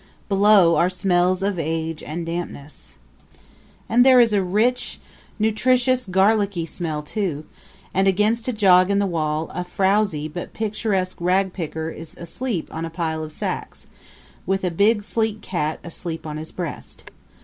Below are smells of age and dampness. And there is a rich, nutritious garlicky smell too; and against a jog in the wall a frowsy but picturesque rag picker is asleep on a pile of sacks, with a big sleek cat asleep on his breast.